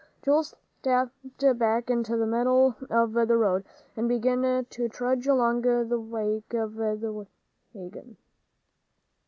Joel stepped back into the middle of the road, and began to trudge along in the wake of the wagon.